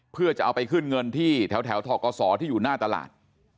เพื่อจะเอาไปขึ้นเงินที่แถวทกศที่อยู่หน้าตลาด